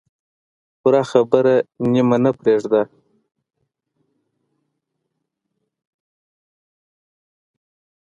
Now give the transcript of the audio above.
پوره خبره نیمه نه پرېږده.